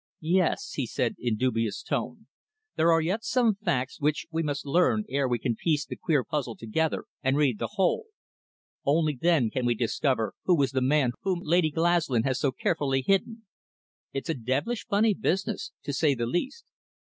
"Yes," he said in dubious tone. "There are yet some facts which we must learn ere we can piece the queer puzzle together and read the whole. Only then can we discover who was the man whom Lady Glaslyn has so carefully hidden. It's a devilish funny business, to say the least."